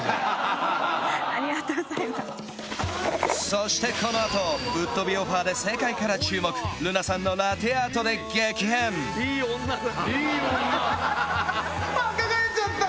そしてこのあとぶっとびオファーで世界から注目瑠菜さんのラテアートで激変いい女だ